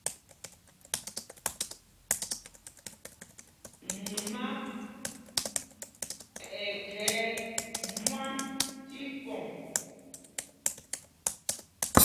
Mumá ɛ́ khɛɛ mwâ tí kɔŋ.